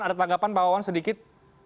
ada tanggapan pak wawan sedikit